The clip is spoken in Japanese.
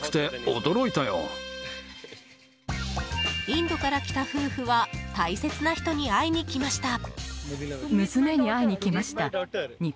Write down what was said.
インドから来た夫婦は大切な人に会いに来ました。